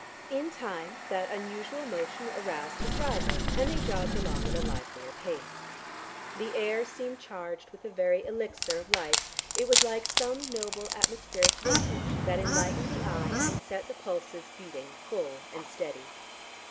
In time that unusual motion aroused his driver, and they jogged along at a livelier pace. The air seemed charged with the very elixir of life; it was like some noble atmospheric vintage that enlightened the eye and set the pulses beating full and steady.